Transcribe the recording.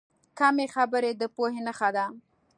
کمې خبرې، د پوهې نښه ده.